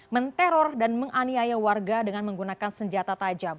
menteror dan menganiaya warga dengan menggunakan senjata tajam